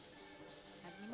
dan anak anak kecil dan seterusnya